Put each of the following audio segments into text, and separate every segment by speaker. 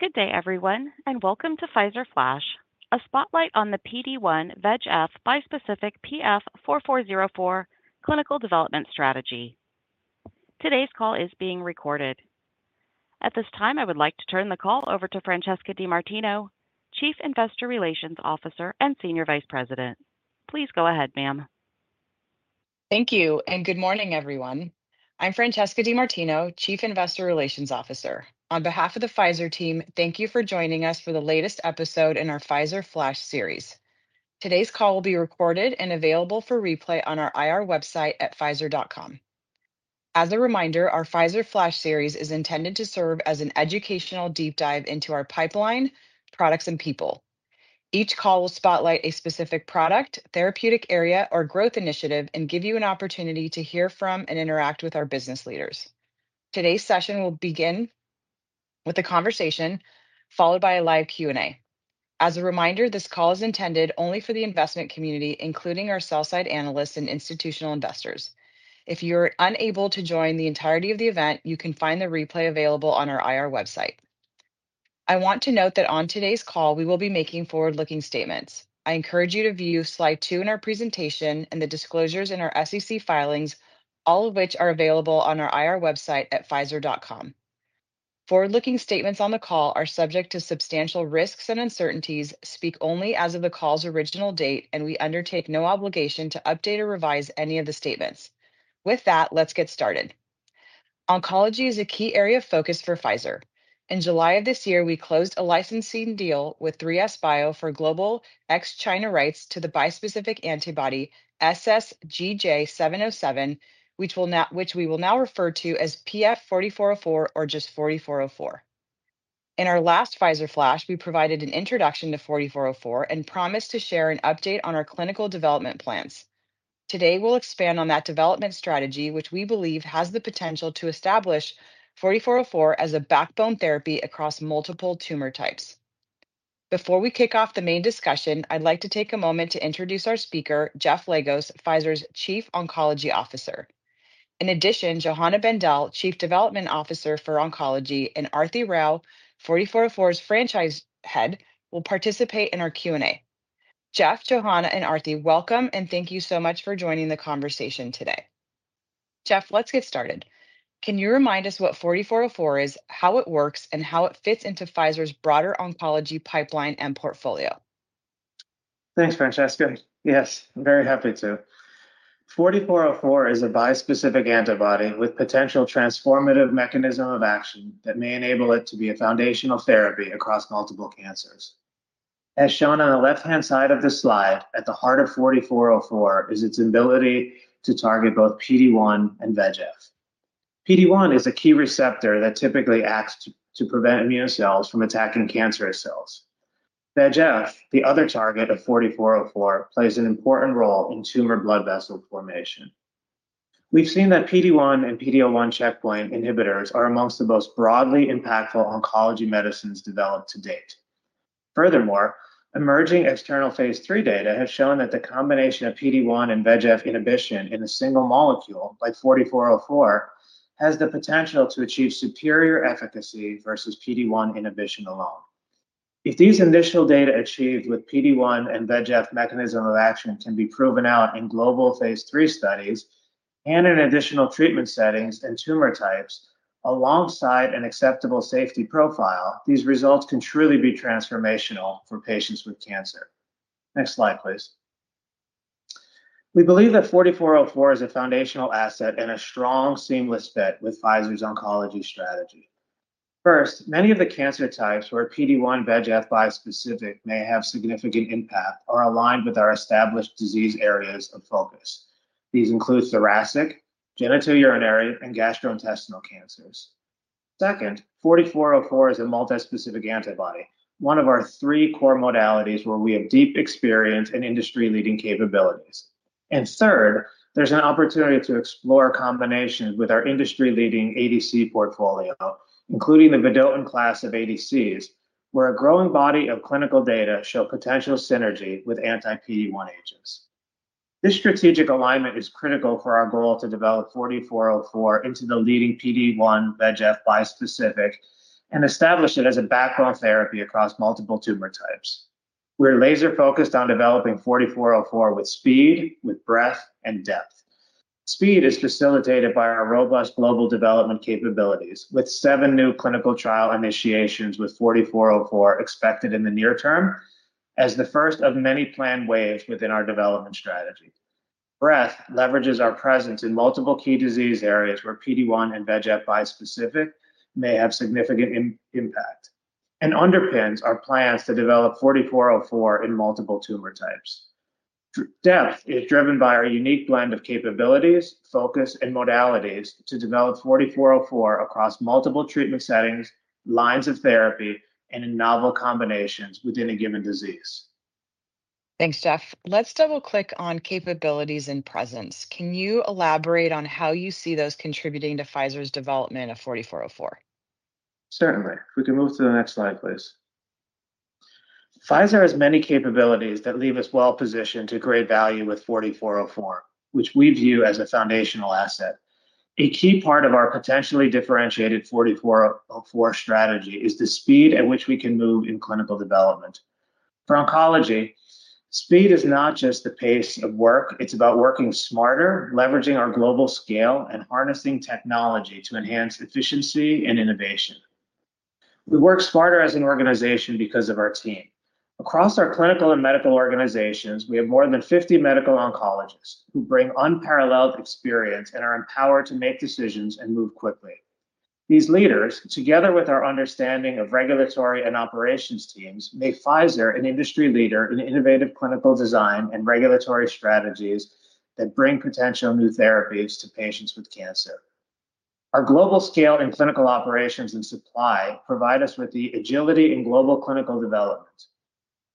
Speaker 1: Good day, everyone, and welcome to Pfizer Pflash, A Spotlight on the PD-1 VEGF-Bispecific PF'4404 Clinical Development Strategy. Today's call is being recorded. At this time, I would like to turn the call over to Francesca DeMartino, Chief Investor Relations Officer and Senior Vice President. Please go ahead, ma'am.
Speaker 2: Thank you, and good morning, everyone. I'm Francesca DeMartino, Chief Investor Relations Officer. On behalf of the Pfizer team, thank you for joining us for the latest episode in our Pfizer Pflash series. Today's call will be recorded and available for replay on our IR website at pfizer.com. As a reminder, our Pfizer Pflash series is intended to serve as an educational deep dive into our pipeline, products, and people. Each call will spotlight a specific product, therapeutic area, or growth initiative and give you an opportunity to hear from and interact with our business leaders. Today's session will begin with a conversation followed by a live Q&A. As a reminder, this call is intended only for the investment community, including our sell-side analysts and institutional investors. If you are unable to join the entirety of the event, you can find the replay available on our IR website. I want to note that on today's call, we will be making forward-looking statements. I encourage you to view slide two in our presentation and the disclosures in our SEC filings, all of which are available on our IR website at Pfizer.com. Forward-looking statements on the call are subject to substantial risks and uncertainties, speak only as of the call's original date, and we undertake no obligation to update or revise any of the statements. With that, let's get started. Oncology is a key area of focus for Pfizer. In July of this year, we closed a licensing deal with 3SBio for global ex-China rights to the bispecific antibody SSGJ-707, which we will now refer to as PF'4404, or just 4404. In our last Pfizer Pflash, we provided an introduction to 4404 and promised to share an update on our clinical development plans. Today, we'll expand on that development strategy, which we believe has the potential to establish 4404 as a backbone therapy across multiple tumor types. Before we kick off the main discussion, I'd like to take a moment to introduce our speaker, Jeff Legos, Pfizer's Chief Oncology Officer. In addition, Johanna Bendell, Chief Development Officer for Oncology, and Arati Rao, 4404's franchise head, will participate in our Q&A. Jeff, Johanna, and Arati, welcome, and thank you so much for joining the conversation today. Jeff, let's get started. Can you remind us what 4404 is, how it works, and how it fits into Pfizer's broader oncology pipeline and portfolio?
Speaker 3: Thanks, Francesca. Yes, I'm very happy to. 4404 is a bispecific antibody with potential transformative mechanism of action that may enable it to be a foundational therapy across multiple cancers. As shown on the left-hand side of the slide, at the heart of 4404 is its ability to target both PD-1 and VEGF. PD-1 is a key receptor that typically acts to prevent immune cells from attacking cancerous cells. VEGF, the other target of 4404, plays an important role in tumor blood vessel formation. We've seen that PD-1 and PD-1 checkpoint inhibitors are among the most broadly impactful oncology medicines developed to date. Furthermore, emerging external phase III data have shown that the combination of PD-1 and VEGF inhibition in a single molecule like 4404 has the potential to achieve superior efficacy versus PD-1 inhibition alone. If these initial data achieved with PD-1 and VEGF mechanism of action can be proven out in global phase III studies and in additional treatment settings and tumor types alongside an acceptable safety profile, these results can truly be transformational for patients with cancer. Next slide, please. We believe that 4404 is a foundational asset and a strong, seamless fit with Pfizer's oncology strategy. First, many of the cancer types where PD-1 VEGF bispecific may have significant impact are aligned with our established disease areas of focus. These include thoracic, genitourinary, and gastrointestinal cancers. Second, 4404 is a multispecific antibody, one of our three core modalities where we have deep experience and industry-leading capabilities. And third, there's an opportunity to explore combinations with our industry-leading ADC portfolio, including the Vedotin class of ADCs, where a growing body of clinical data shows potential synergy with anti-PD-1 agents. This strategic alignment is critical for our goal to develop 4404 into the leading PD-1 VEGF bispecific and establish it as a backbone therapy across multiple tumor types. We're laser-focused on developing 4404 with speed, with breadth, and depth. Speed is facilitated by our robust global development capabilities, with seven new clinical trial initiations with 4404 expected in the near term as the first of many planned waves within our development strategy. Breadth leverages our presence in multiple key disease areas where PD-1 and VEGF bispecific may have significant impact and underpins our plans to develop 4404 in multiple tumor types. Depth is driven by our unique blend of capabilities, focus, and modalities to develop 4404 across multiple treatment settings, lines of therapy, and in novel combinations within a given disease.
Speaker 2: Thanks, Jeff. Let's double-click on capabilities and presence. Can you elaborate on how you see those contributing to Pfizer's development of 4404?
Speaker 3: Certainly. If we can move to the next slide, please. Pfizer has many capabilities that leave us well-positioned to create value with 4404, which we view as a foundational asset. A key part of our potentially differentiated 4404 strategy is the speed at which we can move in clinical development. For oncology, speed is not just the pace of work. It's about working smarter, leveraging our global scale, and harnessing technology to enhance efficiency and innovation. We work smarter as an organization because of our team. Across our clinical and medical organizations, we have more than 50 medical oncologists who bring unparalleled experience and are empowered to make decisions and move quickly. These leaders, together with our understanding of regulatory and operations teams, make Pfizer an industry leader in innovative clinical design and regulatory strategies that bring potential new therapies to patients with cancer. Our global scale in clinical operations and supply provides us with the agility in global clinical development.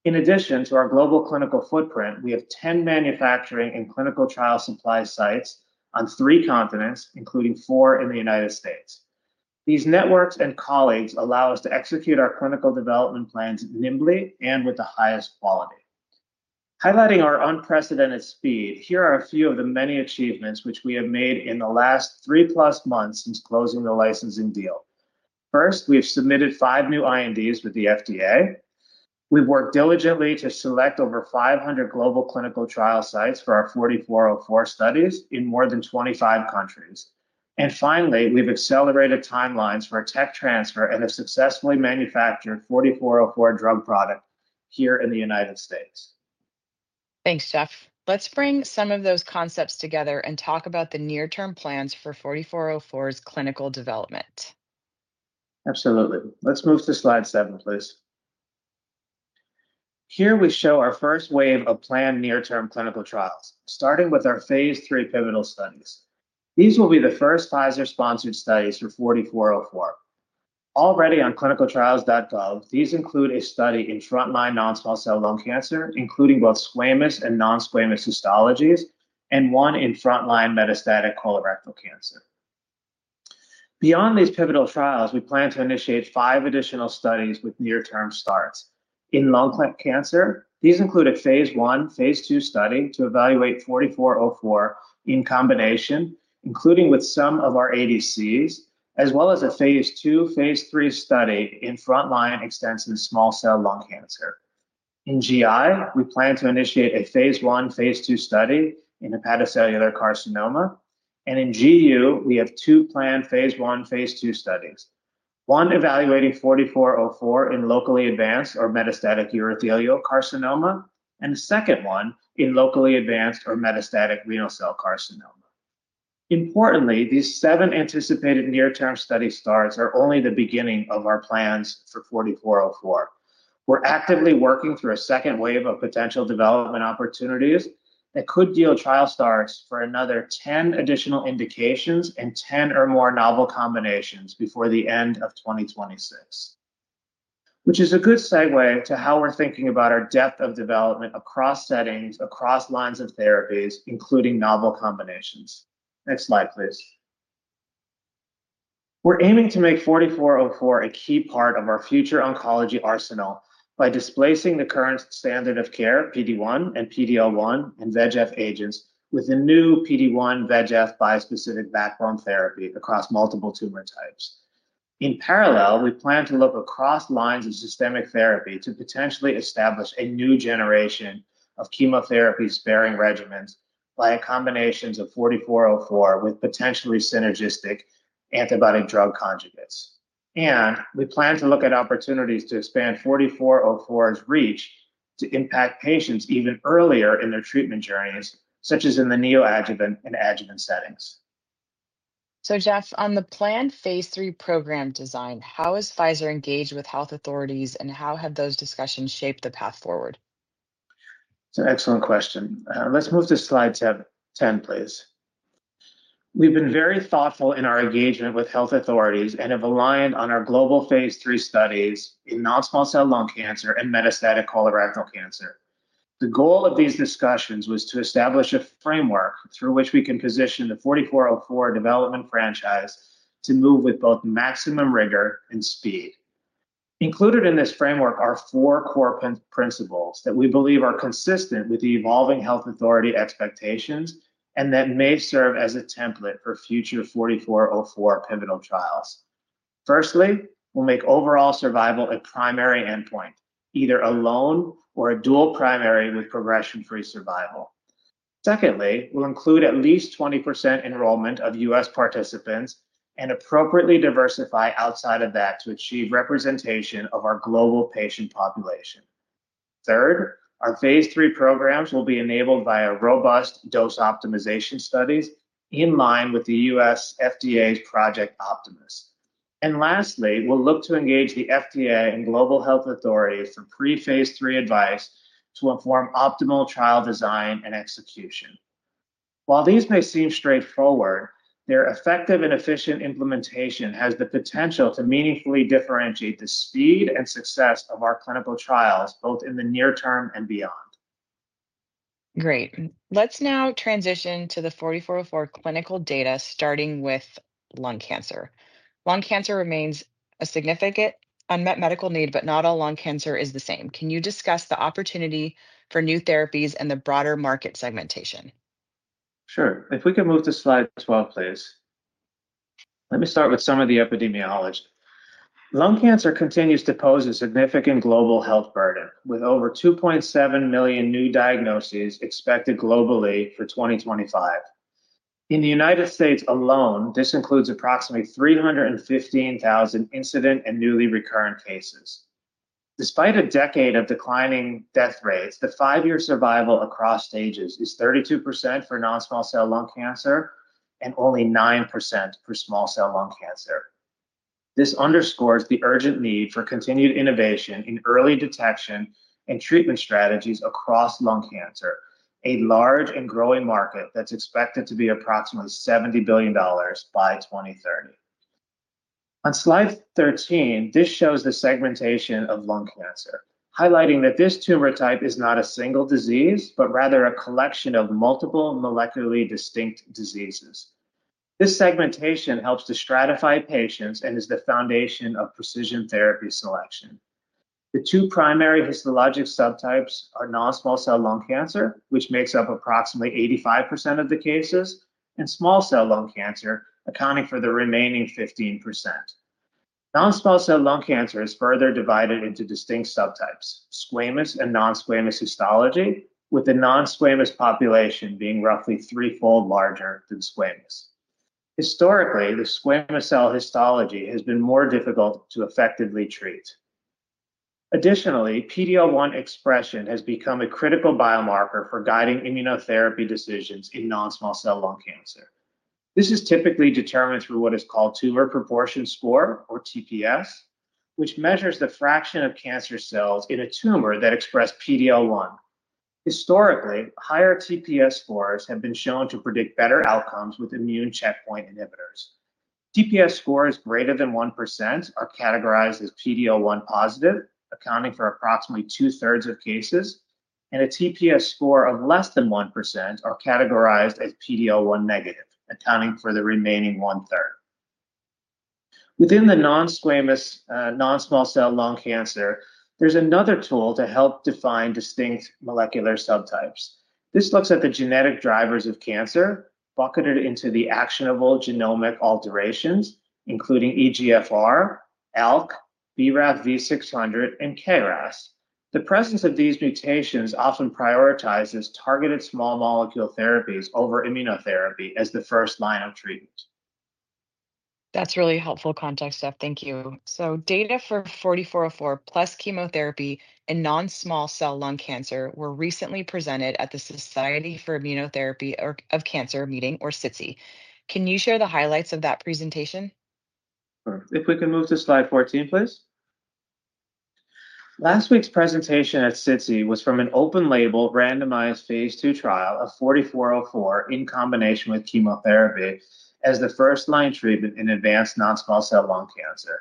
Speaker 3: In addition to our global clinical footprint, we have 10 manufacturing and clinical trial supply sites on three continents, including four in the United States. These networks and colleagues allow us to execute our clinical development plans nimbly and with the highest quality. Highlighting our unprecedented speed, here are a few of the many achievements which we have made in the last three-plus months since closing the licensing deal. First, we have submitted five new INDs with the FDA. We've worked diligently to select over 500 global clinical trial sites for our 4404 studies in more than 25 countries. And finally, we've accelerated timelines for a tech transfer and have successfully manufactured 4404 drug product here in the United States.
Speaker 2: Thanks, Jeff. Let's bring some of those concepts together and talk about the near-term plans for 4404's clinical development.
Speaker 3: Absolutely. Let's move to slide seven, please. Here we show our first wave of planned near-term clinical trials, starting with our phase III pivotal studies. These will be the first Pfizer-sponsored studies for 4404. Already on clinicaltrials.gov, these include a study in frontline non-small cell lung cancer, including both squamous and non-squamous histologies, and one in frontline metastatic colorectal cancer. Beyond these pivotal trials, we plan to initiate five additional studies with near-term starts. In lung cancer, these include a phase I and phase II study to evaluate 4404 in combination, including with some of our ADCs, as well as a phase II and phase III study in frontline extensive small cell lung cancer. In GI, we plan to initiate a phase I and phase II study in hepatocellular carcinoma. And in GU, we have two planned phase I and phase II studies: one evaluating 4404 in locally advanced or metastatic urothelial carcinoma and a second one in locally advanced or metastatic renal cell carcinoma. Importantly, these seven anticipated near-term study starts are only the beginning of our plans for 4404. We're actively working through a second wave of potential development opportunities that could yield trial starts for another 10 additional indications and 10 or more novel combinations before the end of 2026, which is a good segue to how we're thinking about our depth of development across settings, across lines of therapies, including novel combinations. Next slide, please. We're aiming to make 4404 a key part of our future oncology arsenal by displacing the current standard of care PD-1 and PD-L1 and VEGF agents with a new PD-1 VEGF bispecific backbone therapy across multiple tumor types. In parallel, we plan to look across lines of systemic therapy to potentially establish a new generation of chemotherapy-sparing regimens by combinations of 4404 with potentially synergistic antibody drug conjugates. And we plan to look at opportunities to expand 4404's reach to impact patients even earlier in their treatment journeys, such as in the neoadjuvant and adjuvant settings.
Speaker 2: So, Jeff, on the planned phase III program design, how is Pfizer engaged with health authorities, and how have those discussions shaped the path forward?
Speaker 3: It's an excellent question. Let's move to slide 10, please. We've been very thoughtful in our engagement with health authorities and have aligned on our global phase III studies in non-small cell lung cancer and metastatic colorectal cancer. The goal of these discussions was to establish a framework through which we can position the 4404 development franchise to move with both maximum rigor and speed. Included in this framework are four core principles that we believe are consistent with the evolving health authority expectations and that may serve as a template for future 4404 pivotal trials. Firstly, we'll make overall survival a primary endpoint, either alone or a dual primary with progression-free survival. Secondly, we'll include at least 20% enrollment of U.S. participants and appropriately diversify outside of that to achieve representation of our global patient population. Third, our phase III programs will be enabled via robust dose optimization studies in line with the U.S. FDA's Project Optimus, and lastly, we'll look to engage the FDA and global health authorities for pre-phase III advice to inform optimal trial design and execution. While these may seem straightforward, their effective and efficient implementation has the potential to meaningfully differentiate the speed and success of our clinical trials both in the near term and beyond.
Speaker 2: Great. Let's now transition to the 4404 clinical data, starting with lung cancer. Lung cancer remains a significant unmet medical need, but not all lung cancer is the same. Can you discuss the opportunity for new therapies and the broader market segmentation?
Speaker 3: Sure. If we can move to slide 12, please. Let me start with some of the epidemiology. Lung cancer continues to pose a significant global health burden, with over 2.7 million new diagnoses expected globally for 2025. In the United States alone, this includes approximately 315,000 incident and newly recurrent cases. Despite a decade of declining death rates, the five-year survival across stages is 32% for non-small cell lung cancer and only 9% for small cell lung cancer. This underscores the urgent need for continued innovation in early detection and treatment strategies across lung cancer, a large and growing market that's expected to be approximately $70 billion by 2030. On slide 13, this shows the segmentation of lung cancer, highlighting that this tumor type is not a single disease, but rather a collection of multiple molecularly distinct diseases. This segmentation helps to stratify patients and is the foundation of precision therapy selection. The two primary histologic subtypes are non-small cell lung cancer, which makes up approximately 85% of the cases, and small cell lung cancer, accounting for the remaining 15%. Non-small cell lung cancer is further divided into distinct subtypes: squamous and non-squamous histology, with the non-squamous population being roughly threefold larger than squamous. Historically, the squamous cell histology has been more difficult to effectively treat. Additionally, PD-1 expression has become a critical biomarker for guiding immunotherapy decisions in non-small cell lung cancer. This is typically determined through what is called Tumor Proportion Score, or TPS, which measures the fraction of cancer cells in a tumor that express PD-1. Historically, higher TPS scores have been shown to predict better outcomes with immune checkpoint inhibitors. TPS scores greater than 1% are categorized as PD-1 positive, accounting for approximately two-thirds of cases, and a TPS score of less than 1% are categorized as PD-1 negative, accounting for the remaining one-third. Within the non-squamous, non-small cell lung cancer, there's another tool to help define distinct molecular subtypes. This looks at the genetic drivers of cancer, bucketed into the actionable genomic alterations, including EGFR, ALK, BRAF V600, and KRAS. The presence of these mutations often prioritizes targeted small molecule therapies over immunotherapy as the first line of treatment.
Speaker 2: That's really helpful context, Jeff. Thank you. So data for 4404 plus chemotherapy in non-small cell lung cancer were recently presented at the Society for Immunotherapy of Cancer meeting, or SITC. Can you share the highlights of that presentation?
Speaker 3: Sure. If we can move to slide 14, please. Last week's presentation at SITC was from an open-label randomized phase II trial of 4404 in combination with chemotherapy as the first-line treatment in advanced non-small cell lung cancer.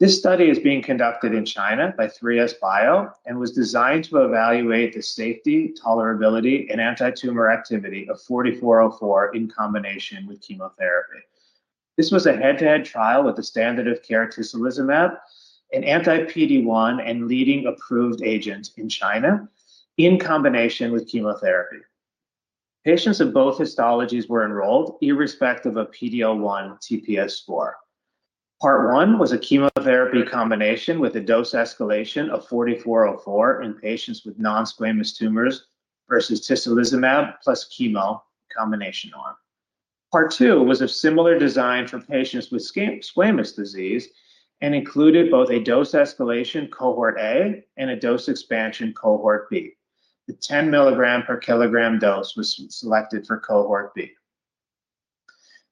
Speaker 3: This study is being conducted in China by 3SBio and was designed to evaluate the safety, tolerability, and anti-tumor activity of 4404 in combination with chemotherapy. This was a head-to-head trial with the standard of care tislelizumab and anti-PD-1 and leading approved agents in China in combination with chemotherapy. Patients of both histologies were enrolled irrespective of PD-1 TPS score. Part one was a chemotherapy combination with a dose escalation of 4404 in patients with non-squamous tumors versus tislelizumab plus chemo combination one. Part two was of similar design for patients with squamous disease and included both a dose escalation cohort A and a dose expansion cohort B. The 10 mg per kilogram dose was selected for cohort B.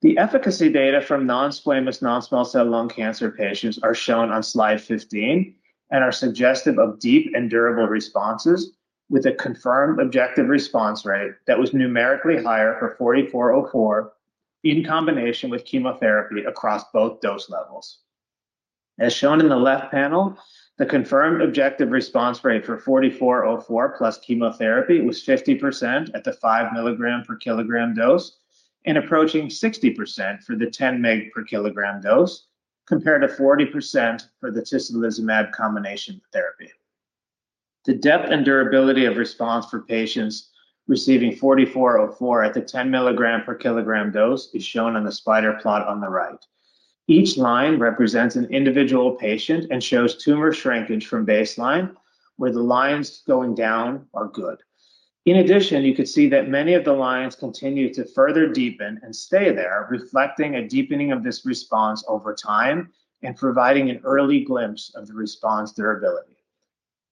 Speaker 3: The efficacy data from non-squamous non-small cell lung cancer patients are shown on slide 15 and are suggestive of deep and durable responses with a confirmed objective response rate that was numerically higher for 4404 in combination with chemotherapy across both dose levels. As shown in the left panel, the confirmed objective response rate for 4404 plus chemotherapy was 50% at the 5 mg per kilogram dose and approaching 60% for the 10 mg per kilogram dose, compared to 40% for the tislelizumab combination therapy. The depth and durability of response for patients receiving 4404 at the 10 mg per kilogram dose is shown on the spider plot on the right. Each line represents an individual patient and shows tumor shrinkage from baseline, where the lines going down are good. In addition, you could see that many of the lines continue to further deepen and stay there, reflecting a deepening of this response over time and providing an early glimpse of the response durability.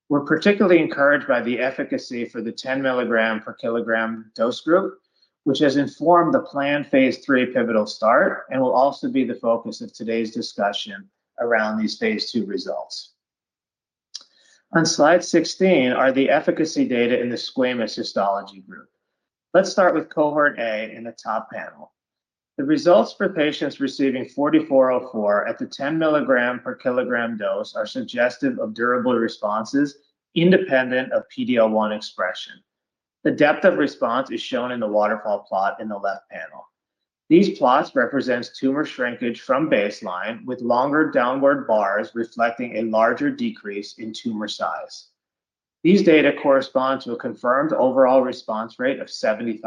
Speaker 3: We're particularly encouraged by the efficacy for the 10 mg per kilogram dose group, which has informed the planned phase III pivotal start and will also be the focus of today's discussion around these phase II results. On slide 16 are the efficacy data in the squamous histology group. Let's start with cohort A in the top panel. The results for patients receiving 4404 at the 10 mg per kilogram dose are suggestive of durable responses independent of PD-1 expression. The depth of response is shown in the waterfall plot in the left panel. These plots represent tumor shrinkage from baseline with longer downward bars reflecting a larger decrease in tumor size. These data correspond to a confirmed overall response rate of 75%.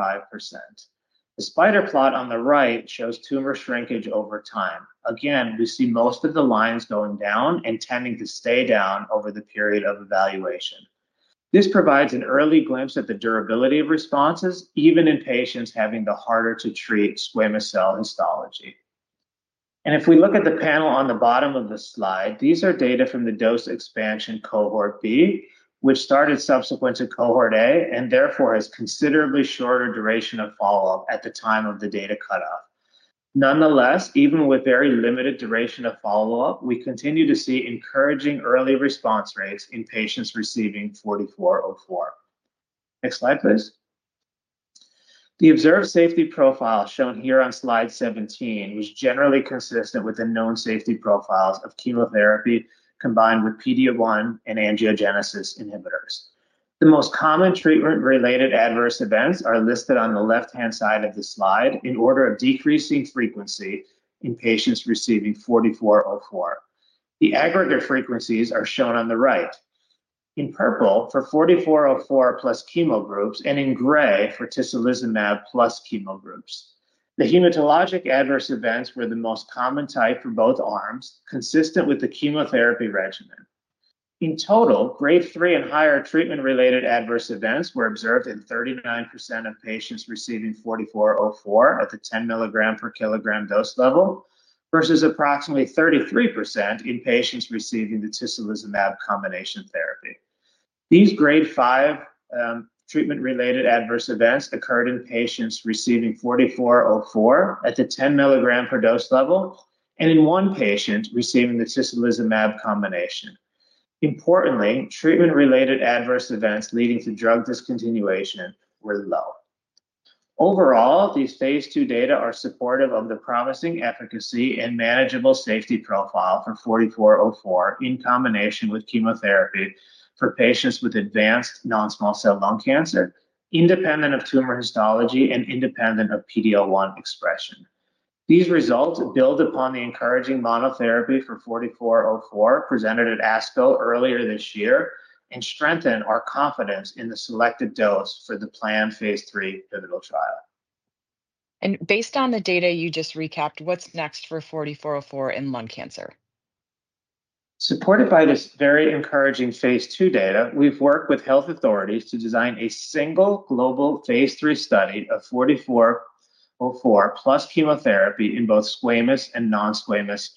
Speaker 3: The spider plot on the right shows tumor shrinkage over time. Again, we see most of the lines going down and tending to stay down over the period of evaluation. This provides an early glimpse at the durability of responses, even in patients having the harder-to-treat squamous cell histology. And if we look at the panel on the bottom of the slide, these are data from the dose expansion cohort B, which started subsequent to cohort A and therefore has considerably shorter duration of follow-up at the time of the data cutoff. Nonetheless, even with very limited duration of follow-up, we continue to see encouraging early response rates in patients receiving 4404. Next slide, please. The observed safety profile shown here on slide 17 was generally consistent with the known safety profiles of chemotherapy combined with PD-1 and angiogenesis inhibitors. The most common treatment-related adverse events are listed on the left-hand side of the slide in order of decreasing frequency in patients receiving 4404. The aggregate frequencies are shown on the right. In purple for 4404 plus chemo groups and in gray for tislelizumab plus chemo groups. The hematologic adverse events were the most common type for both arms, consistent with the chemotherapy regimen. In total, grade 3 and higher treatment-related adverse events were observed in 39% of patients receiving 4404 at the 10 mg per kilogram dose level versus approximately 33% in patients receiving the tislelizumab combination therapy. These grade 5 treatment-related adverse events occurred in patients receiving 4404 at the 10 mg per dose level and in one patient receiving the tislelizumab combination. Importantly, treatment-related adverse events leading to drug discontinuation were low. Overall, these phase II data are supportive of the promising efficacy and manageable safety profile for 4404 in combination with chemotherapy for patients with advanced non-small cell lung cancer, independent of tumor histology and independent of PD-1 expression. These results build upon the encouraging monotherapy for 4404 presented at ASCO earlier this year and strengthen our confidence in the selected dose for the planned phase III pivotal trial.
Speaker 2: Based on the data you just recapped, what's next for 4404 in lung cancer?
Speaker 3: Supported by this very encouraging phase II data, we've worked with health authorities to design a single global phase III study of 4404 plus chemotherapy in both squamous and non-squamous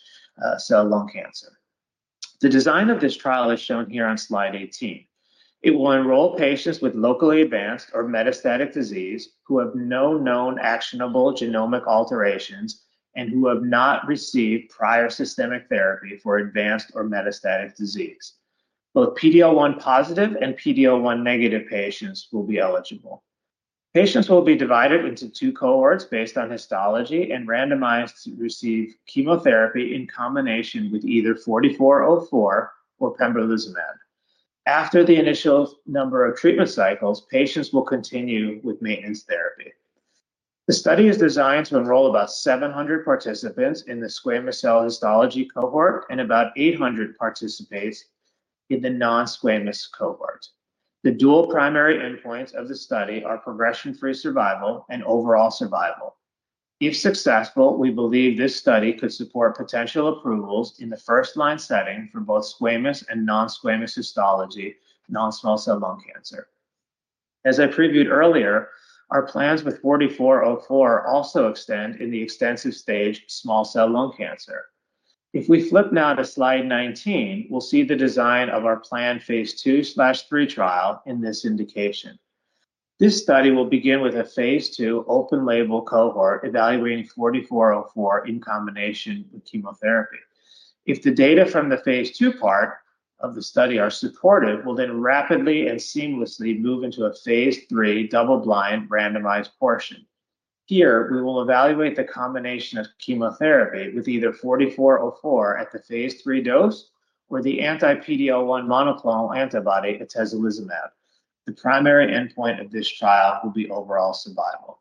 Speaker 3: cell lung cancer. The design of this trial is shown here on slide 18. It will enroll patients with locally advanced or metastatic disease who have no known actionable genomic alterations and who have not received prior systemic therapy for advanced or metastatic disease. Both PD-1 positive and PD-1 negative patients will be eligible. Patients will be divided into two cohorts based on histology and randomized to receive chemotherapy in combination with either 4404 or pembrolizumab. After the initial number of treatment cycles, patients will continue with maintenance therapy. The study is designed to enroll about 700 participants in the squamous cell histology cohort and about 800 participants in the non-squamous cohort. The dual primary endpoints of the study are progression-free survival and overall survival. If successful, we believe this study could support potential approvals in the first-line setting for both squamous and non-squamous histology non-small cell lung cancer. As I previewed earlier, our plans with 4404 also extend in the extensive stage small cell lung cancer. If we flip now to slide 19, we'll see the design of our planned phase II/III trial in this indication. This study will begin with a phase II open-label cohort evaluating 4404 in combination with chemotherapy. If the data from the phase II part of the study are supportive, we'll then rapidly and seamlessly move into a phase III double-blind randomized portion. Here, we will evaluate the combination of chemotherapy with either 4404 at the phase III dose or the anti-PD-1 monoclonal antibody, atezolizumab. The primary endpoint of this trial will be overall survival.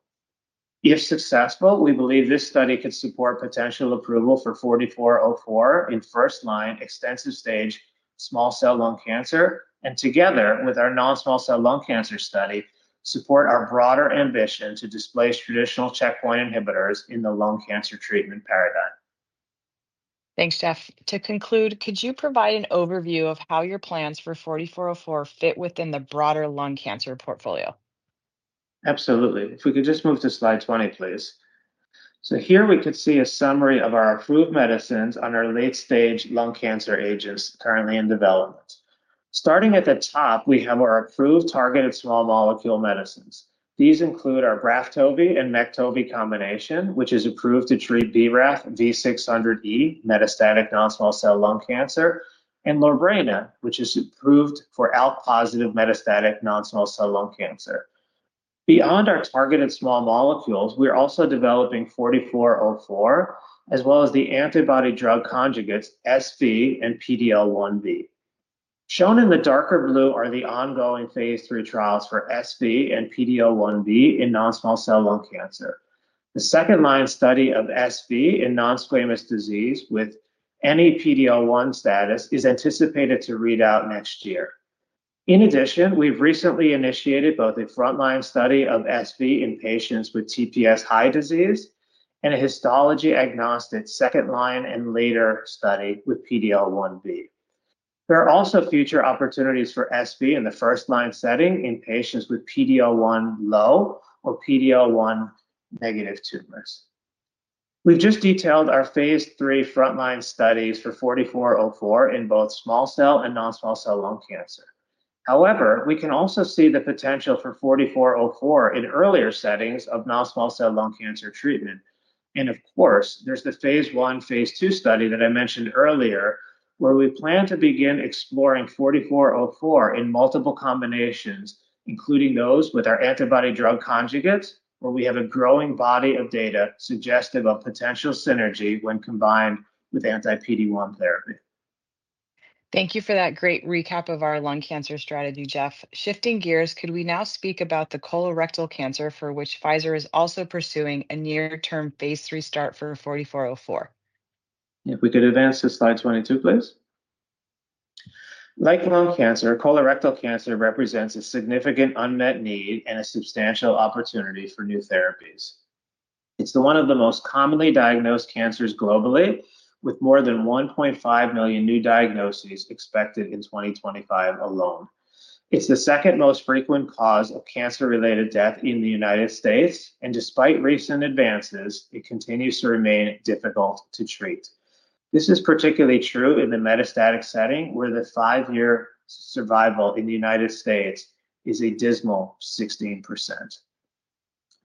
Speaker 3: If successful, we believe this study could support potential approval for 4404 in first-line extensive stage small cell lung cancer and together with our non-small cell lung cancer study, support our broader ambition to displace traditional checkpoint inhibitors in the lung cancer treatment paradigm.
Speaker 2: Thanks, Jeff. To conclude, could you provide an overview of how your plans for 4404 fit within the broader lung cancer portfolio?
Speaker 3: Absolutely. If we could just move to slide 20, please. So here we could see a summary of our approved medicines on our late-stage lung cancer agents currently in development. Starting at the top, we have our approved targeted small molecule medicines. These include our Braftovi and Mektovi combination, which is approved to treat BRAF V600E metastatic non-small cell lung cancer, and Lorbrena, which is approved for ALK-positive metastatic non-small cell lung cancer. Beyond our targeted small molecules, we are also developing 4404 as well as the antibody drug conjugates SV and PDL1V. Shown in the darker blue are the ongoing phase III trials for SV and PDL1V in non-small cell lung cancer. The second-line study of SV in non-squamous disease with any PD-1 status is anticipated to read out next year. In addition, we've recently initiated both a front-line study of SV in patients with TPS high disease and a histology-agnostic second-line and later study with PDL1V. There are also future opportunities for SV in the first-line setting in patients with PD-1 low or PD-1 negative tumors. We've just detailed our phase III front-line studies for 4404 in both small cell and non-small cell lung cancer. However, we can also see the potential for 4404 in earlier settings of non-small cell lung cancer treatment. And of course, there's the phase I and phase II study that I mentioned earlier, where we plan to begin exploring 4404 in multiple combinations, including those with our antibody drug conjugates, where we have a growing body of data suggestive of potential synergy when combined with anti-PD-1 therapy.
Speaker 2: Thank you for that great recap of our lung cancer strategy, Jeff. Shifting gears, could we now speak about the colorectal cancer for which Pfizer is also pursuing a near-term phase III start for 4404?
Speaker 3: If we could advance to slide 22, please. Like lung cancer, colorectal cancer represents a significant unmet need and a substantial opportunity for new therapies. It's one of the most commonly diagnosed cancers globally, with more than 1.5 million new diagnoses expected in 2025 alone. It's the second most frequent cause of cancer-related death in the United States, and despite recent advances, it continues to remain difficult to treat. This is particularly true in the metastatic setting, where the five-year survival in the United States is a dismal 16%.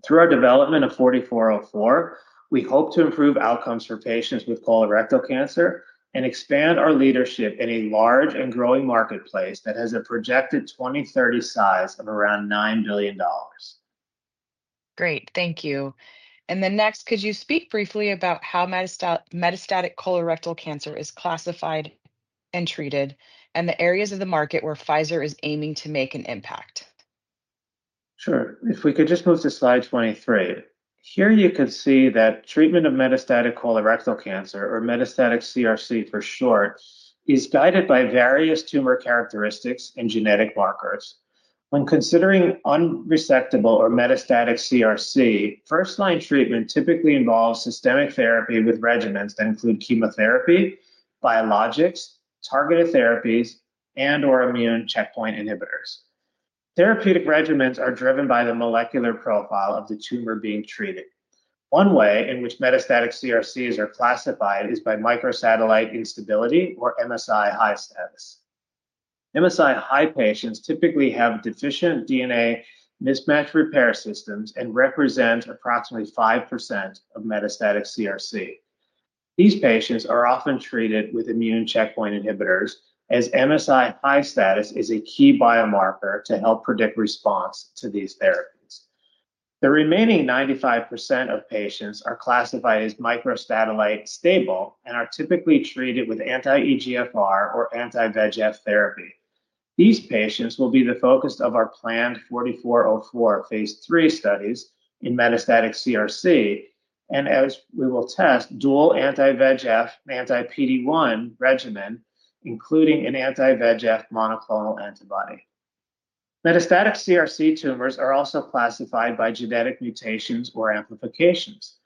Speaker 3: Through our development of 4404, we hope to improve outcomes for patients with colorectal cancer and expand our leadership in a large and growing marketplace that has a projected 2030 size of around $9 billion.
Speaker 2: Great. Thank you. And then next, could you speak briefly about how metastatic colorectal cancer is classified and treated and the areas of the market where Pfizer is aiming to make an impact?
Speaker 3: Sure. If we could just move to slide 23. Here you can see that treatment of metastatic colorectal cancer, or metastatic CRC for short, is guided by various tumor characteristics and genetic markers. When considering unresectable or metastatic CRC, first-line treatment typically involves systemic therapy with regimens that include chemotherapy, biologics, targeted therapies, and/or immune checkpoint inhibitors. Therapeutic regimens are driven by the molecular profile of the tumor being treated. One way in which metastatic CRCs are classified is by microsatellite instability or MSI high status. MSI high patients typically have deficient DNA mismatch repair systems and represent approximately 5% of metastatic CRC. These patients are often treated with immune checkpoint inhibitors, as MSI high status is a key biomarker to help predict response to these therapies. The remaining 95% of patients are classified as microsatellite stable and are typically treated with anti-EGFR or anti-VEGF therapy. These patients will be the focus of our planned 4404 phase III studies in metastatic CRC, and as we will test, dual anti-VEGF and anti-PD-1 regimen, including an anti-VEGF monoclonal antibody. Metastatic CRC tumors are also classified by genetic mutations or amplifications.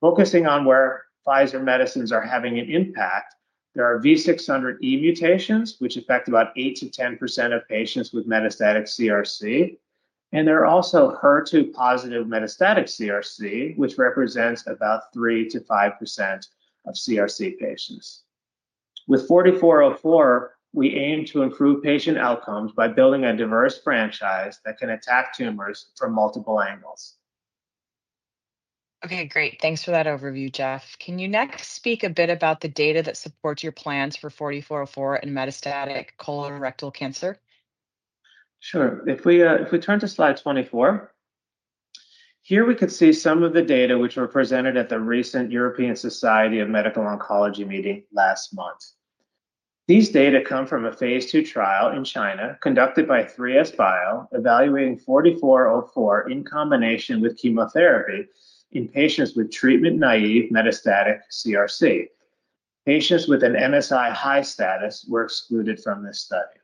Speaker 3: Focusing on where Pfizer medicines are having an impact, there are V600E mutations, which affect about 8%-10% of patients with metastatic CRC, and there are also HER2-positive metastatic CRC, which represents about 3%-5% of CRC patients. With 4404, we aim to improve patient outcomes by building a diverse franchise that can attack tumors from multiple angles.
Speaker 2: Okay, great. Thanks for that overview, Jeff. Can you next speak a bit about the data that supports your plans for 4404 in metastatic colorectal cancer?
Speaker 3: Sure. If we turn to slide 24, here we could see some of the data which were presented at the recent European Society of Medical Oncology meeting last month. These data come from a phase II trial in China conducted by 3SBio, evaluating 4404 in combination with chemotherapy in patients with treatment-naive metastatic CRC. Patients with an MSI high status were excluded from this study.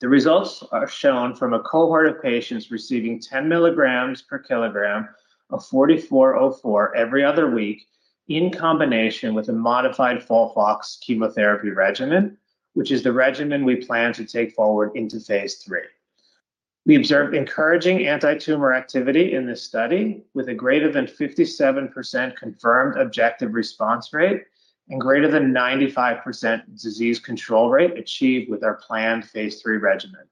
Speaker 3: The results are shown from a cohort of patients receiving 10 mg per kilogram of 4404 every other week in combination with a modified FOLFOX chemotherapy regimen, which is the regimen we plan to take forward into phase III. We observed encouraging anti-tumor activity in this study with a greater than 57% confirmed objective response rate and greater than 95% disease control rate achieved with our planned phase III regimen.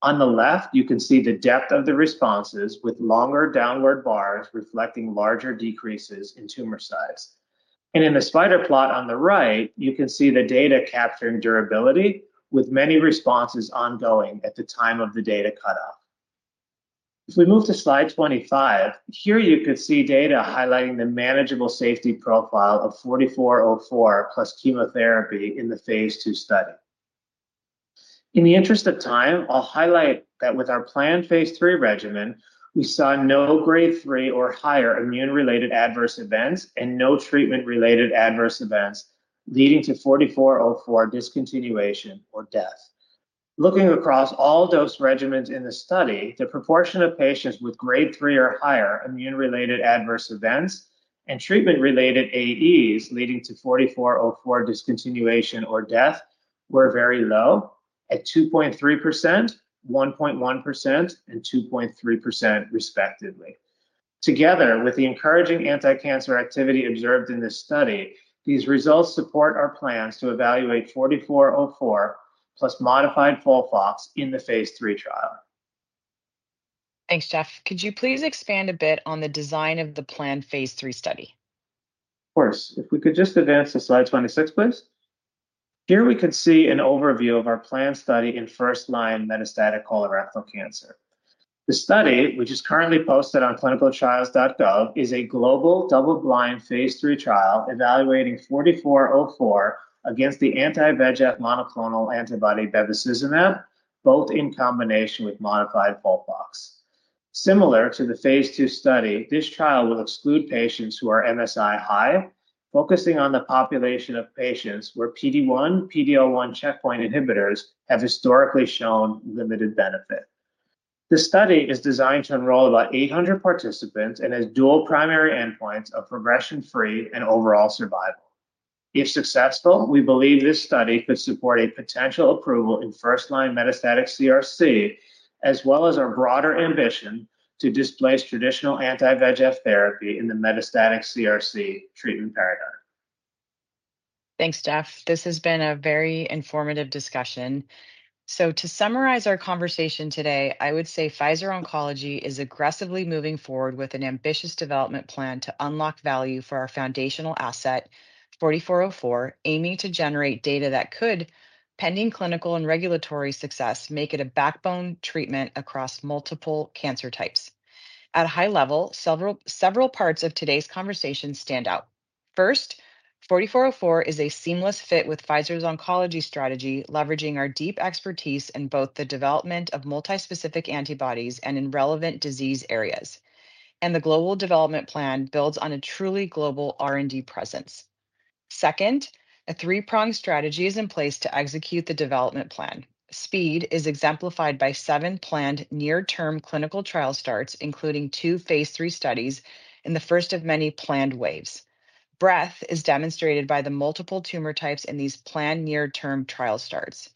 Speaker 3: On the left, you can see the depth of the responses with longer downward bars reflecting larger decreases in tumor size, and in the spider plot on the right, you can see the data capturing durability with many responses ongoing at the time of the data cutoff. If we move to slide 25, here you could see data highlighting the manageable safety profile of 4404 plus chemotherapy in the phase II study. In the interest of time, I'll highlight that with our planned phase III regimen, we saw no grade III or higher immune-related adverse events and no treatment-related adverse events leading to 4404 discontinuation or death. Looking across all dose regimens in the study, the proportion of patients with grade III or higher immune-related adverse events and treatment-related AEs leading to 4404 discontinuation or death were very low at 2.3%, 1.1%, and 2.3% respectively. Together with the encouraging anti-cancer activity observed in this study, these results support our plans to evaluate 4404 plus modified FOLFOX in the phase III trial.
Speaker 2: Thanks, Jeff. Could you please expand a bit on the design of the planned phase III study?
Speaker 3: Of course. If we could just advance to slide 26, please. Here we could see an overview of our planned study in first-line metastatic colorectal cancer. The study, which is currently posted on clinicaltrials.gov, is a global double-blind phase III trial evaluating 4404 against the anti-VEGF monoclonal antibody bevacizumab, both in combination with modified FOLFOX. Similar to the phase II study, this trial will exclude patients who are MSI high, focusing on the population of patients where PD-1/PD-L1 checkpoint inhibitors have historically shown limited benefit. The study is designed to enroll about 800 participants and has dual primary endpoints of progression-free and overall survival. If successful, we believe this study could support a potential approval in first-line metastatic CRC, as well as our broader ambition to displace traditional anti-VEGF therapy in the metastatic CRC treatment paradigm.
Speaker 2: Thanks, Jeff. This has been a very informative discussion. So to summarize our conversation today, I would say Pfizer Oncology is aggressively moving forward with an ambitious development plan to unlock value for our foundational asset, 4404, aiming to generate data that could, pending clinical and regulatory success, make it a backbone treatment across multiple cancer types. At a high level, several parts of today's conversation stand out. First, 4404 is a seamless fit with Pfizer's oncology strategy, leveraging our deep expertise in both the development of multi-specific antibodies and in relevant disease areas. And the global development plan builds on a truly global R&D presence. Second, a three-pronged strategy is in place to execute the development plan. Speed is exemplified by seven planned near-term clinical trial starts, including two phase III studies in the first of many planned waves. Breadth is demonstrated by the multiple tumor types in these planned near-term trial starts.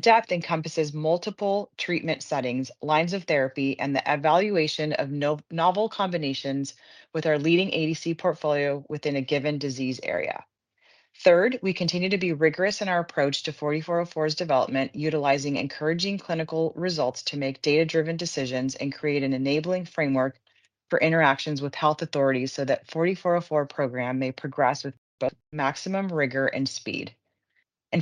Speaker 2: Depth encompasses multiple treatment settings, lines of therapy, and the evaluation of novel combinations with our leading ADC portfolio within a given disease area. Third, we continue to be rigorous in our approach to 4404's development, utilizing encouraging clinical results to make data-driven decisions and create an enabling framework for interactions with health authorities so that the 4404 program may progress with maximum rigor and speed.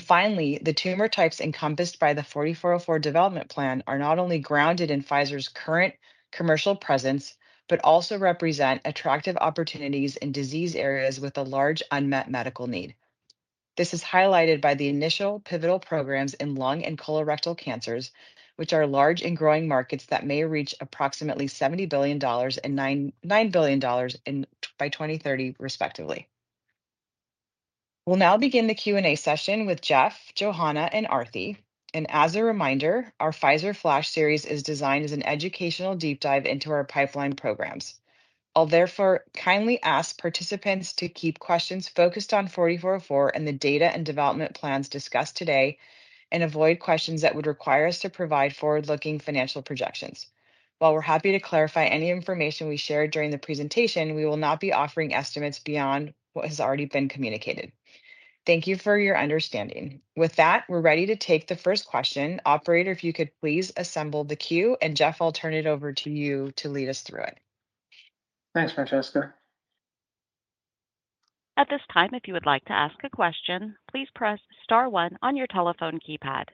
Speaker 2: Finally, the tumor types encompassed by the 4404 development plan are not only grounded in Pfizer's current commercial presence, but also represent attractive opportunities in disease areas with a large unmet medical need. This is highlighted by the initial pivotal programs in lung and colorectal cancers, which are large and growing markets that may reach approximately $70 billion and $9 billion by 2030, respectively. We'll now begin the Q&A session with Jeff, Johanna, and Arati. And as a reminder, our Pfizer Pflash series is designed as an educational deep dive into our pipeline programs. I'll therefore kindly ask participants to keep questions focused on 4404 and the data and development plans discussed today, and avoid questions that would require us to provide forward-looking financial projections. While we're happy to clarify any information we shared during the presentation, we will not be offering estimates beyond what has already been communicated. Thank you for your understanding. With that, we're ready to take the first question. Operator, if you could please assemble the queue, and Jeff, I'll turn it over to you to lead us through it.
Speaker 3: Thanks, Francesca.
Speaker 1: At this time, if you would like to ask a question, please press Star 1 on your telephone keypad.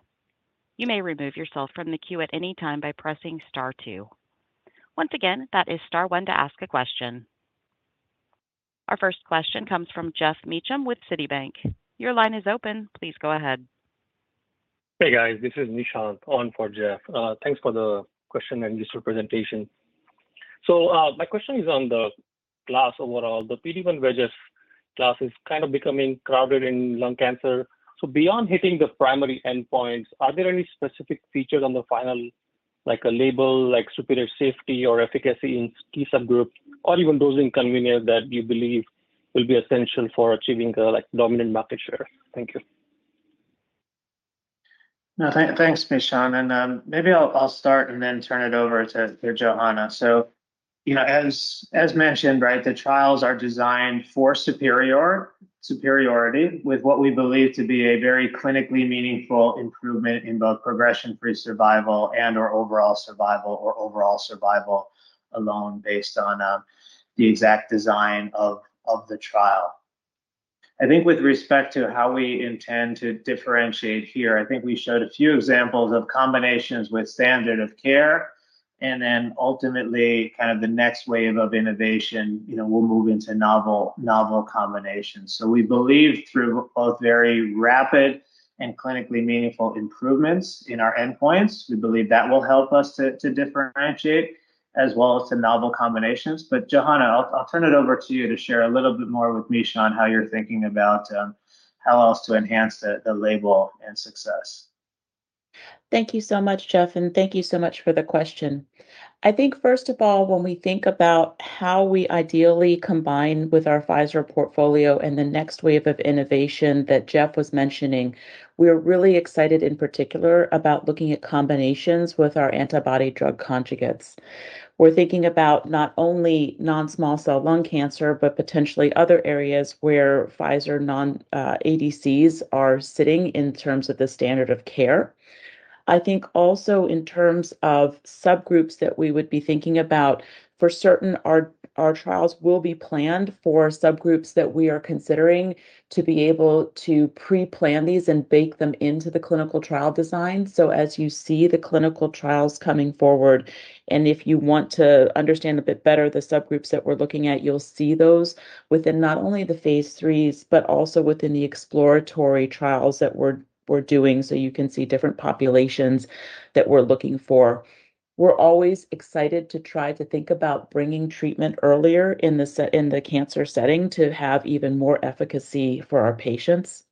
Speaker 1: You may remove yourself from the queue at any time by pressing Star 2. Once again, that is Star 1 to ask a question. Our first question comes from Geoff Meacham with Citibank. Your line is open. Please go ahead. Hey, guys. This is Nishant calling for Jeff. Thanks for the question and this presentation. So my question is on the class overall. The PD-1 VEGF class is kind of becoming crowded in lung cancer. So beyond hitting the primary endpoints, are there any specific features on the final, like a label, like superior safety or efficacy in key subgroups, or even dosing convenience that you believe will be essential for achieving a dominant market share? Thank you.
Speaker 3: Thanks, Nishant, and maybe I'll start and then turn it over to Johanna, so as mentioned, the trials are designed for superiority with what we believe to be a very clinically meaningful improvement in both progression-free survival and/or overall survival or overall survival alone based on the exact design of the trial. I think with respect to how we intend to differentiate here, I think we showed a few examples of combinations with standard of care, and then ultimately, kind of the next wave of innovation, we'll move into novel combinations, so we believe through both very rapid and clinically meaningful improvements in our endpoints, we believe that will help us to differentiate as well as to novel combinations, but Johanna, I'll turn it over to you to share a little bit more with Nishant how you're thinking about how else to enhance the label and success.
Speaker 4: Thank you so much, Jeff, and thank you so much for the question. I think, first of all, when we think about how we ideally combine with our Pfizer portfolio and the next wave of innovation that Jeff was mentioning, we're really excited in particular about looking at combinations with our antibody drug conjugates. We're thinking about not only non-small cell lung cancer, but potentially other areas where Pfizer non-ADCs are sitting in terms of the standard of care. I think also in terms of subgroups that we would be thinking about, for certain our trials will be planned for subgroups that we are considering to be able to pre-plan these and bake them into the clinical trial design. As you see the clinical trials coming forward, and if you want to understand a bit better the subgroups that we're looking at, you'll see those within not only the phase IIIs, but also within the exploratory trials that we're doing so you can see different populations that we're looking for. We're always excited to try to think about bringing treatment earlier in the cancer setting to have even more efficacy for our patients.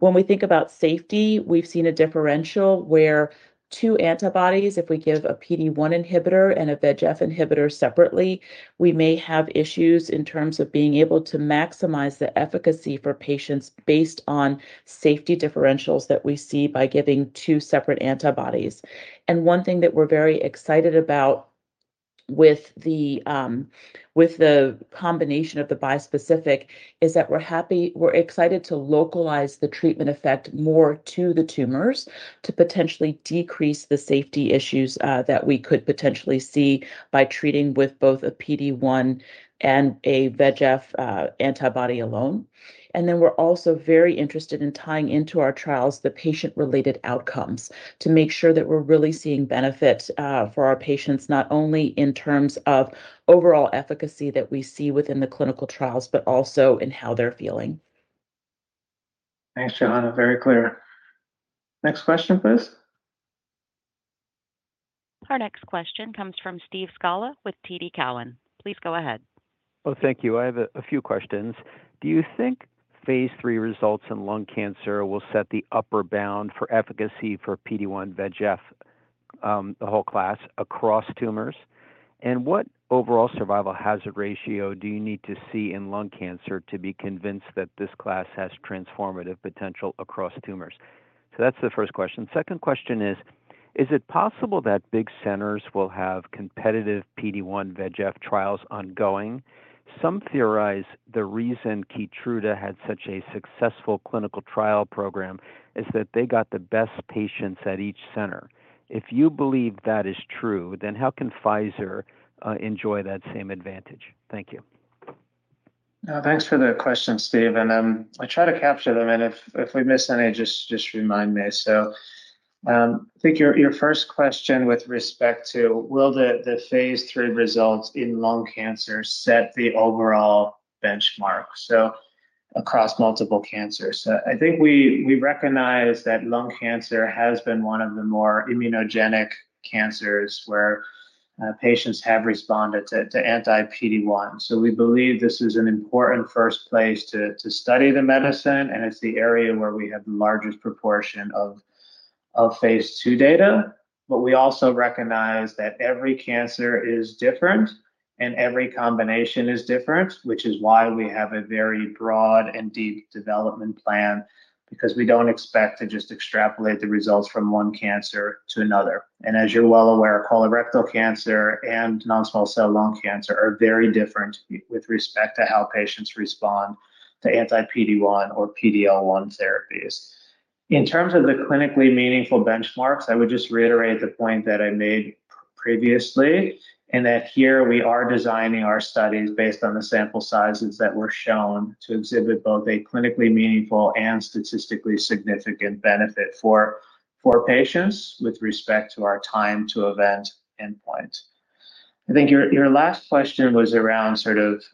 Speaker 4: When we think about safety, we've seen a differential where two antibodies, if we give a PD-1 inhibitor and a VEGF inhibitor separately, we may have issues in terms of being able to maximize the efficacy for patients based on safety differentials that we see by giving two separate antibodies. One thing that we're very excited about with the combination of the bi-specific is that we're excited to localize the treatment effect more to the tumors to potentially decrease the safety issues that we could potentially see by treating with both a PD-1 and a VEGF antibody alone. We're also very interested in tying into our trials the patient-reported outcomes to make sure that we're really seeing benefit for our patients not only in terms of overall efficacy that we see within the clinical trials, but also in how they're feeling.
Speaker 3: Thanks, Johanna. Very clear. Next question, please.
Speaker 1: Our next question comes from Steve Scala with TD Cowen. Please go ahead.
Speaker 5: Oh, thank you. I have a few questions. Do you think phase III results in lung cancer will set the upper bound for efficacy for PD-1 VEGF, the whole class, across tumors? And what overall survival hazard ratio do you need to see in lung cancer to be convinced that this class has transformative potential across tumors? So that's the first question. Second question is, is it possible that big centers will have competitive PD-1 VEGF trials ongoing? Some theorize the reason Keytruda had such a successful clinical trial program is that they got the best patients at each center. If you believe that is true, then how can Pfizer enjoy that same advantage? Thank you.
Speaker 3: Thanks for the question, Steve, and I try to capture them, and if we miss any, just remind me, so I think your first question with respect to will the phase III results in lung cancer set the overall benchmark, so across multiple cancers? I think we recognize that lung cancer has been one of the more immunogenic cancers where patients have responded to anti-PD-1, so we believe this is an important first place to study the medicine, and it's the area where we have the largest proportion of phase II data, but we also recognize that every cancer is different and every combination is different, which is why we have a very broad and deep development plan, because we don't expect to just extrapolate the results from one cancer to another. And as you're well aware, colorectal cancer and non-small cell lung cancer are very different with respect to how patients respond to anti-PD-1 or PD-1 therapies. In terms of the clinically meaningful benchmarks, I would just reiterate the point that I made previously, and that here we are designing our studies based on the sample sizes that were shown to exhibit both a clinically meaningful and statistically significant benefit for patients with respect to our time-to-event endpoint. I think your last question was around sort of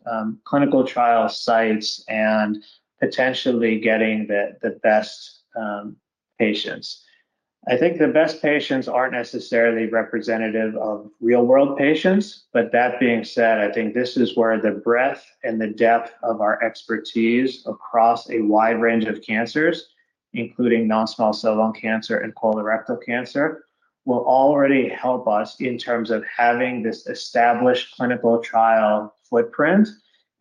Speaker 3: clinical trial sites and potentially getting the best patients. I think the best patients aren't necessarily representative of real-world patients. But that being said, I think this is where the breadth and the depth of our expertise across a wide range of cancers, including non-small cell lung cancer and colorectal cancer, will already help us in terms of having this established clinical trial footprint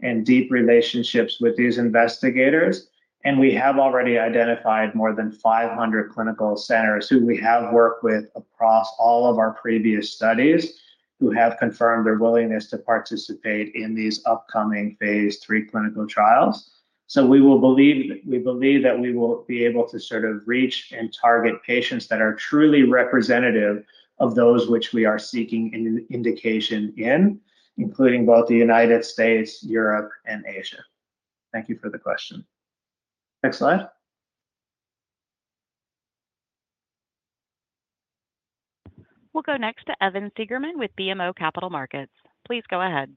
Speaker 3: and deep relationships with these investigators. And we have already identified more than 500 clinical centers who we have worked with across all of our previous studies who have confirmed their willingness to participate in these upcoming phase III clinical trials. So we believe that we will be able to sort of reach and target patients that are truly representative of those which we are seeking an indication in, including both the United States, Europe, and Asia. Thank you for the question. Next slide.
Speaker 1: We'll go next to Evan Seigerman with BMO Capital Markets. Please go ahead.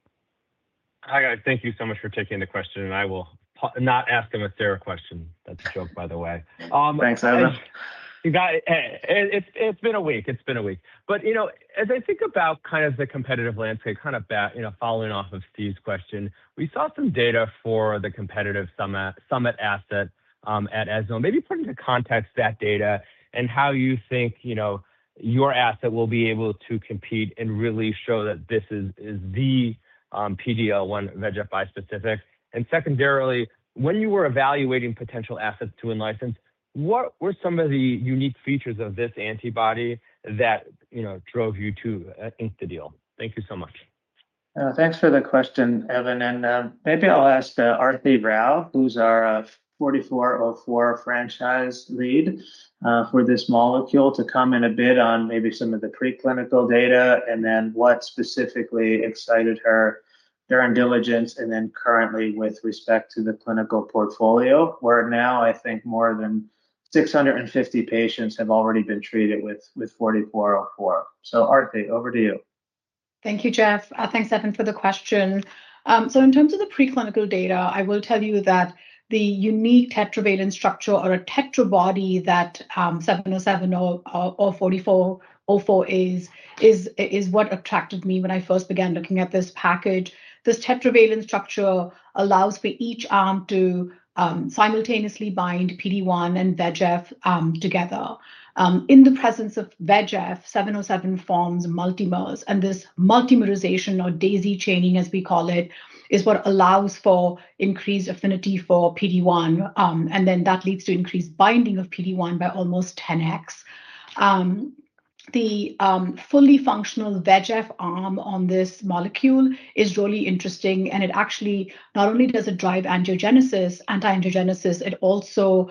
Speaker 6: Hi, guys. Thank you so much for taking the question, and I will not ask a mysterious question. That's a joke, by the way.
Speaker 3: Thanks, Evan.
Speaker 6: It's been a week. It's been a week. But as I think about kind of the competitive landscape, kind of following up on Steve's question, we saw some data for the competitive Summit asset at ESMO. Maybe put into context that data and how you think your asset will be able to compete and really show that this is the PD-1 VEGF bi-specific. And secondarily, when you were evaluating potential assets to in-license, what were some of the unique features of this antibody that drove you to ink the deal? Thank you so much.
Speaker 3: Thanks for the question, Evan, and maybe I'll ask the Arati Rao, who's our 4404 franchise lead for this molecule, to comment a bit on maybe some of the preclinical data and then what specifically excited her during diligence and then currently with respect to the clinical portfolio, where now I think more than 650 patients have already been treated with 4404, so Arati, over to you.
Speaker 7: Thank you, Jeff. Thanks, Evan, for the question. So in terms of the preclinical data, I will tell you that the unique tetravalent structure or a tetrabody that 707 or 4404 is what attracted me when I first began looking at this package. This tetravalent structure allows for each arm to simultaneously bind PD-1 and VEGF together. In the presence of VEGF, 707 forms multimers. And this multimerization or daisy chaining, as we call it, is what allows for increased affinity for PD-1. And then that leads to increased binding of PD-1 by almost 10x. The fully functional VEGF arm on this molecule is really interesting. And it actually not only does it drive anti-angiogenesis, it also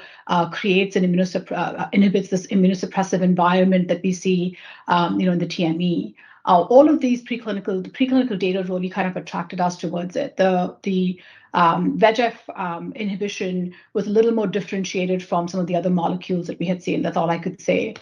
Speaker 7: creates and inhibits this immunosuppressive environment that we see in the TME. All of these preclinical data really kind of attracted us towards it. The VEGF inhibition was a little more differentiated from some of the other molecules that we had seen. That's all I could say.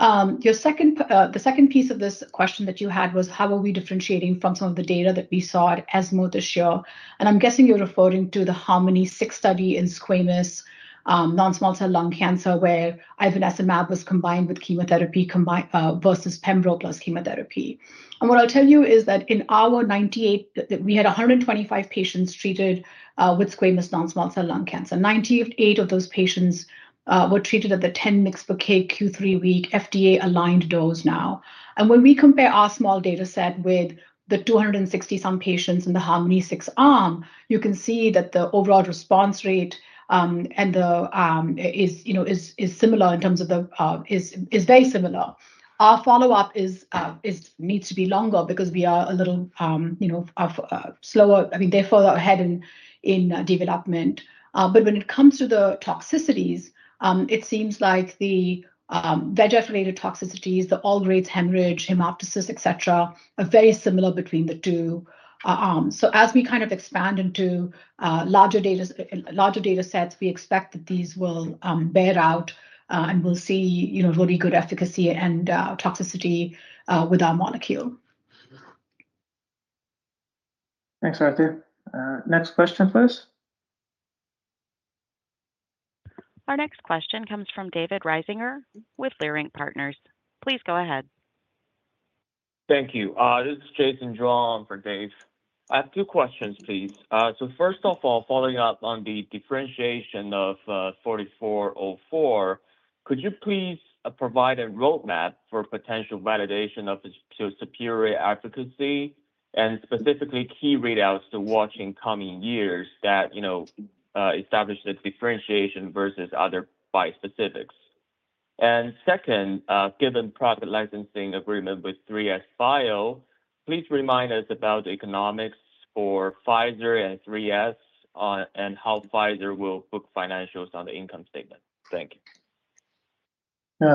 Speaker 7: The second piece of this question that you had was, how are we differentiating from some of the data that we saw at ESMO this year? And I'm guessing you're referring to the HARMONi-6 study in squamous non-small cell lung cancer, where ivonescimab was combined with chemotherapy versus pembrolizumab plus chemotherapy. And what I'll tell you is that in our 98, we had 125 patients treated with squamous non-small cell lung cancer. 98 of those patients were treated at the 10 mg per kg Q3 week FDA-aligned dose now. And when we compare our small data set with the 260-some patients in the HARMONi-6 arm, you can see that the overall response rate is similar in terms of it is very similar. Our follow-up needs to be longer because we are a little slower. I mean, they're further ahead in development. But when it comes to the toxicities, it seems like the VEGF-related toxicities, the all-grade hemorrhage, hemoptysis, et cetera, are very similar between the two arms. So as we kind of expand into larger data sets, we expect that these will bear out and we'll see really good efficacy and toxicity with our molecule.
Speaker 3: Thanks, Arati. Next question, please.
Speaker 1: Our next question comes from David Risinger with Leerink Partners. Please go ahead.
Speaker 8: Thank you. This is Jason Zhuang for Dave. I have two questions, please. So first of all, following up on the differentiation of 4404, could you please provide a roadmap for potential validation of its superior efficacy and specifically key readouts to watch in coming years that establish the differentiation versus other bispecifics? And second, given prior licensing agreement with 3SBio, please remind us about the economics for Pfizer and 3S and how Pfizer will book financials on the income statement. Thank you.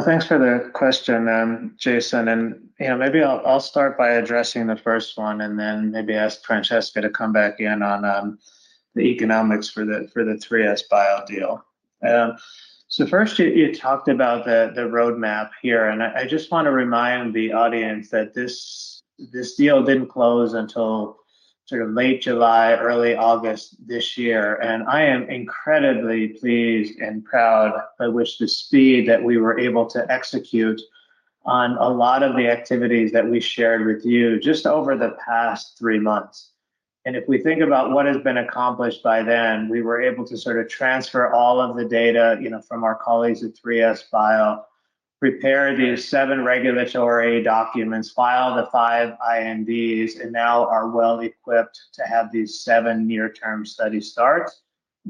Speaker 3: Thanks for the question, Jason, and maybe I'll start by addressing the first one and then maybe ask Francesca to come back in on the economics for the 3SBio deal. So first, you talked about the roadmap here, and I just want to remind the audience that this deal didn't close until sort of late July, early August this year, and I am incredibly pleased and proud by which the speed that we were able to execute on a lot of the activities that we shared with you just over the past three months. If we think about what has been accomplished by then, we were able to sort of transfer all of the data from our colleagues at 3SBio, prepare these seven regulatory documents, file the five INDs, and now are well equipped to have these seven near-term study starts,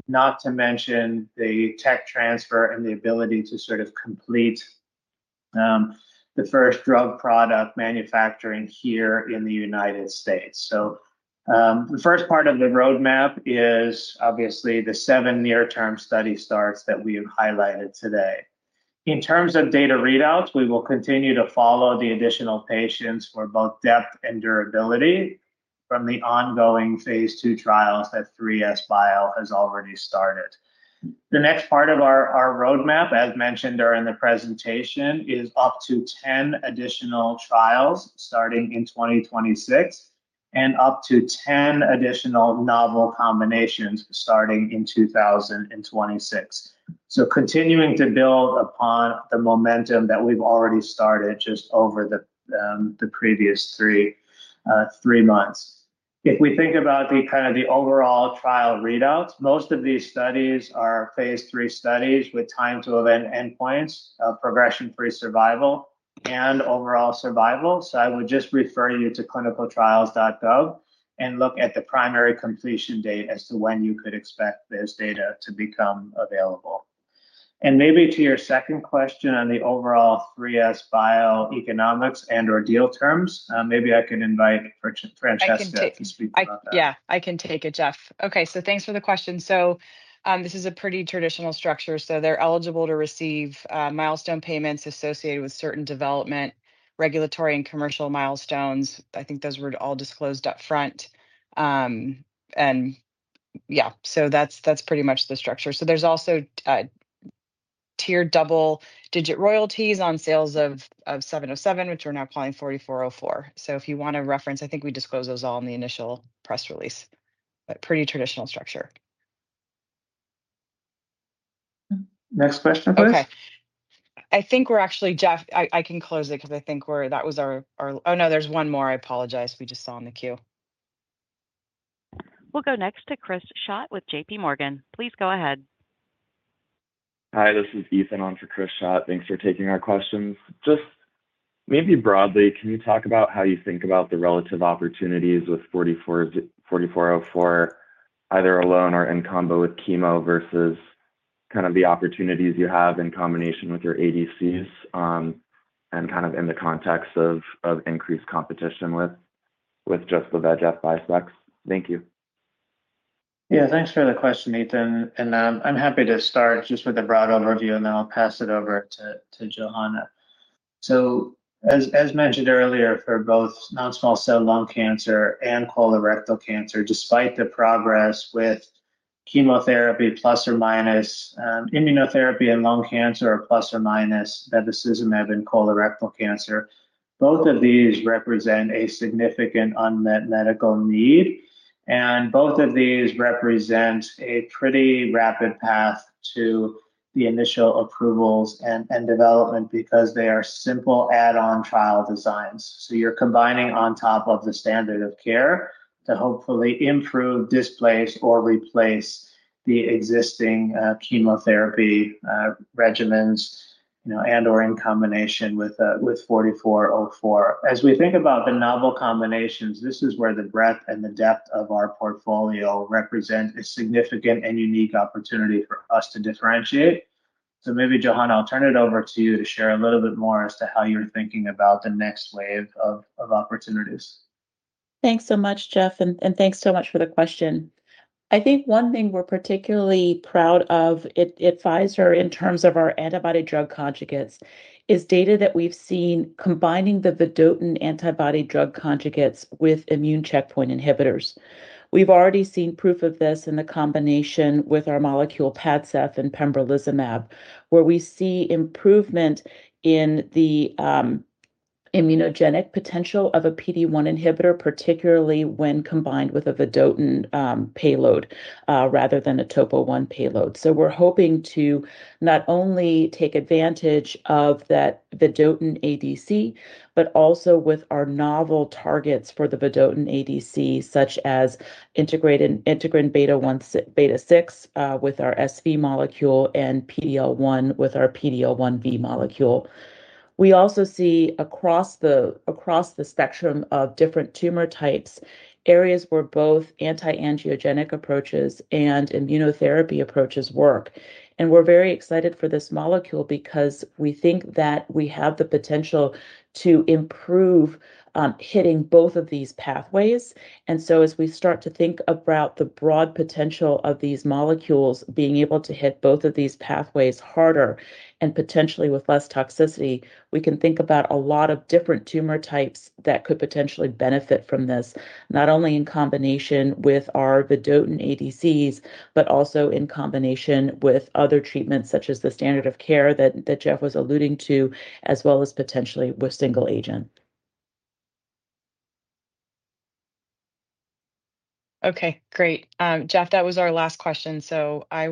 Speaker 3: not to mention the tech transfer and the ability to sort of complete the first drug product manufacturing here in the United States. The first part of the roadmap is obviously the seven near-term study starts that we have highlighted today. In terms of data readouts, we will continue to follow the additional patients for both depth and durability from the ongoing phase II trials that 3SBio has already started. The next part of our roadmap, as mentioned during the presentation, is up to 10 additional trials starting in 2026 and up to 10 additional novel combinations starting in 2026. So continuing to build upon the momentum that we've already started just over the previous three months. If we think about kind of the overall trial readouts, most of these studies are phase III studies with time-to-event endpoints of progression-free survival and overall survival. So I would just refer you to clinicaltrials.gov and look at the primary completion date as to when you could expect this data to become available. And maybe to your second question on the overall 3SBio economics and/or deal terms, maybe I can invite Francesca to speak about that.
Speaker 2: I can take it. Yeah, I can take it, Jeff. Okay, so thanks for the question. So this is a pretty traditional structure. So they're eligible to receive milestone payments associated with certain development, regulatory, and commercial milestones. I think those were all disclosed upfront. And yeah, so that's pretty much the structure. So there's also tiered double-digit royalties on sales of 707, which we're now calling 4404. So if you want to reference, I think we disclosed those all in the initial press release. But pretty traditional structure.
Speaker 3: Next question, please.
Speaker 2: Okay. I think we're actually, Jeff, I can close it because I think that was our. Oh, no, there's one more. I apologize. We just saw in the queue.
Speaker 1: We'll go next to Chris Schott with JPMorgan. Please go ahead. Hi, this is Ethan on for Chris Schott. Thanks for taking our questions. Just maybe broadly, can you talk about how you think about the relative opportunities with 4404, either alone or in combo with chemo versus kind of the opportunities you have in combination with your ADCs and kind of in the context of increased competition with just the VEGF bispecifics? Thank you.
Speaker 3: Yeah, thanks for the question, Ethan, and I'm happy to start just with a broad overview, and then I'll pass it over to Johanna, so as mentioned earlier, for both non-small cell lung cancer and colorectal cancer, despite the progress with chemotherapy plus or minus immunotherapy and lung cancer are plus or minus that this is a MeV in colorectal cancer. Both of these represent a significant unmet medical need, and both of these represent a pretty rapid path to the initial approvals and development because they are simple add-on trial designs, so you're combining on top of the standard of care to hopefully improve, displace, or replace the existing chemotherapy regimens and/or in combination with 4404. As we think about the novel combinations, this is where the breadth and the depth of our portfolio represent a significant and unique opportunity for us to differentiate. So maybe, Johanna, I'll turn it over to you to share a little bit more as to how you're thinking about the next wave of opportunities.
Speaker 4: Thanks so much, Jeff. And thanks so much for the question. I think one thing we're particularly proud of at Pfizer in terms of our antibody drug conjugates is data that we've seen combining the Vedotin antibody drug conjugates with immune checkpoint inhibitors. We've already seen proof of this in the combination with our molecule PADCEV and pembrolizumab, where we see improvement in the immunogenic potential of a PD-1 inhibitor, particularly when combined with a Vedotin payload rather than a Topo 1 payload. So we're hoping to not only take advantage of that Vedotin ADC, but also with our novel targets for the Vedotin ADC, such as integrin beta-6 with our SV molecule and PD-L1 with our PD-L1V molecule. We also see across the spectrum of different tumor types, areas where both anti-angiogenic approaches and immunotherapy approaches work. We're very excited for this molecule because we think that we have the potential to improve hitting both of these pathways. So as we start to think about the broad potential of these molecules being able to hit both of these pathways harder and potentially with less toxicity, we can think about a lot of different tumor types that could potentially benefit from this, not only in combination with our Vedotin ADCs, but also in combination with other treatments such as the standard of care that Jeff was alluding to, as well as potentially with single agent.
Speaker 2: Okay, great. Jeff, that was our last question. So I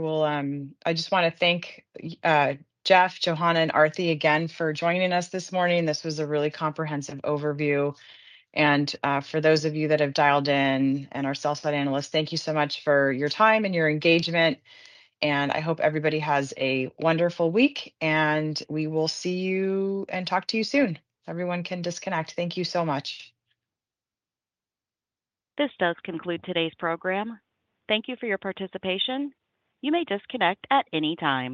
Speaker 2: just want to thank Jeff, Johanna, and Arati again for joining us this morning. This was a really comprehensive overview. And for those of you that have dialed in and our sell-side analysts, thank you so much for your time and your engagement. And I hope everybody has a wonderful week. And we will see you and talk to you soon. Everyone can disconnect. Thank you so much.
Speaker 1: This does conclude today's program. Thank you for your participation. You may disconnect at any time.